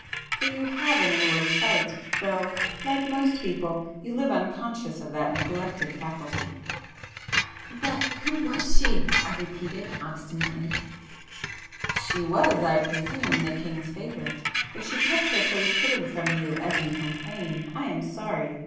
For you have an inward sight,—though like most people, you live unconscious of that neglected faculty." "But—who was She?" I repeated obstinately. "'She' was, I presume, the King's favourite. If she kept her face hidden from you as you complain, I am sorry!